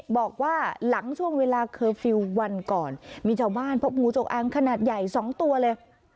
บอกว่าหลังช่วงเวลาเคอร์ฟิลล์วันก่อนมีชาวบ้านพบงูจงอางขนาดใหญ่๒ตัวเลย